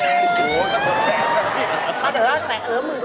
ถ้าเกิดแสงเอิมหมื่นกว่าบ้าง